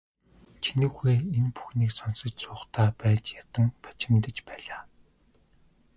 Чинүүхэй энэ бүхнийг сонсож суухдаа байж ядан бачимдаж байлаа.